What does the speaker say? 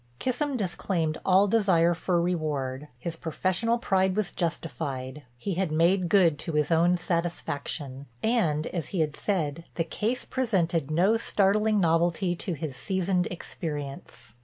Kissam disclaimed all desire for reward. His professional pride was justified; he had made good to his own satisfaction. And, as he had said, the case presented no startling novelty to his seasoned experience.